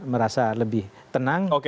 merasa lebih tenang